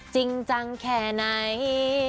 จริงจังแค่ไหน